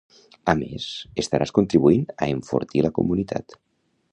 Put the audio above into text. A més estaràs contribuint a enfortir la comunitat